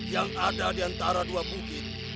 yang ada di antara dua bukit